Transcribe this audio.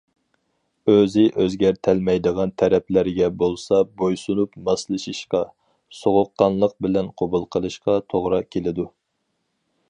ئۆزى ئۆزگەرتەلمەيدىغان تەرەپلەرگە بولسا بويسۇنۇپ ماسلىشىشقا، سوغۇققانلىق بىلەن قوبۇل قىلىشقا توغرا كېلىدۇ.